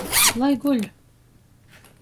Lai guļ!